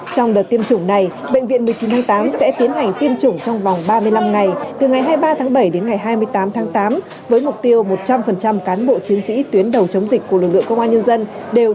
trong đợt tiêm chủng này bệnh viện một mươi chín tháng tám sẽ tiến hành tiêm chủng trong vòng ba mươi năm ngày từ ngày hai mươi ba tháng bảy đến ngày hai mươi tám tháng tám với mục tiêu một trăm linh cán bộ chiến sĩ tuyến đầu chống dịch của lực lượng công an nhân dân